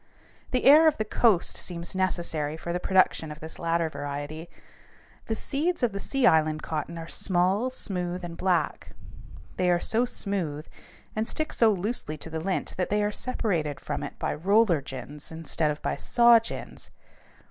The air of the coast seems necessary for the production of this latter variety. The seeds of the sea island cotton are small, smooth, and black. They are so smooth and stick so loosely to the lint that they are separated from it by roller gins instead of by saw gins.